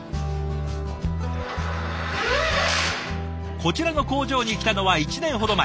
こちらの工場に来たのは１年ほど前。